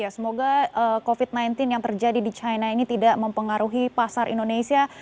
semoga covid sembilan belas yang terjadi di china ini tidak mempengaruhi pasar indonesia